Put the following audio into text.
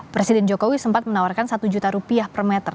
presiden jokowi sempat menawarkan satu juta rupiah per meter